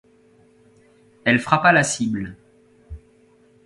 Elle frappa la cible.